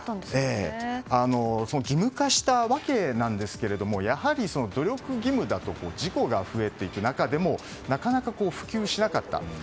義務化した訳なんですけれどもやはり、努力義務だと事故が増えていってなかなか普及しなかった。